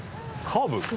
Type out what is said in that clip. カーブ？